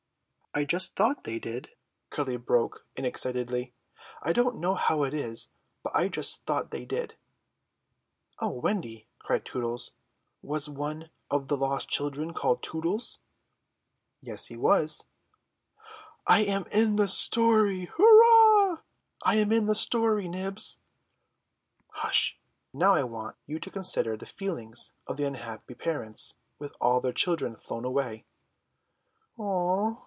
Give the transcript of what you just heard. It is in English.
"I just thought they did," Curly broke in excitedly. "I don't know how it is, but I just thought they did!" "O Wendy," cried Tootles, "was one of the lost children called Tootles?" "Yes, he was." "I am in a story. Hurrah, I am in a story, Nibs." "Hush. Now I want you to consider the feelings of the unhappy parents with all their children flown away." "Oo!"